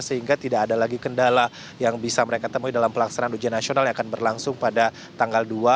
sehingga tidak ada lagi kendala yang bisa mereka temui dalam pelaksanaan ujian nasional yang akan berlangsung pada tanggal dua